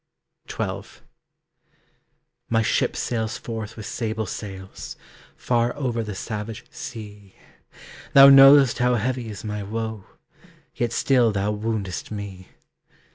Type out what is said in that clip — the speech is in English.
XII. My ship sails forth with sable sails, Far over the savage sea; Thou know'st how heavy is my woe, Yet still thou woundest me.